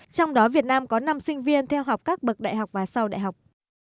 trong đó việt nam có năm sinh viên theo học các bậc đại học và sau đại học